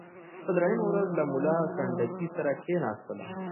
په دریمه ورځ له ملا سنډکي سره کښېنستلم.